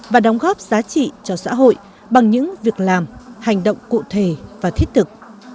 và đóng góp giá trị cho xã hội bằng những việc làm hành động cụ thể và thiết thực